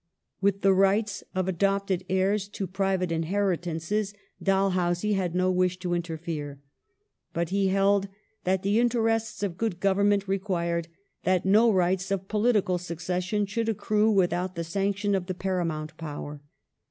With the rights of "adopted" heirs to private inheritances Dalhousie had no wish to interfere, but he held that the interests of good government required that no rights of political succession should accrue without the sanction of the Paramount Power.